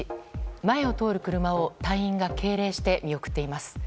前を通る車を隊員が敬礼して見送っています。